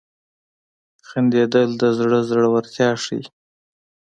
• خندېدل د زړه زړورتیا ښيي.